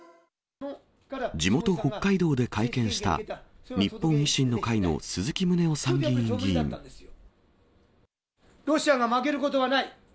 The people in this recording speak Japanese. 地元北海道で会見した日本維新のロシアが負けることはない。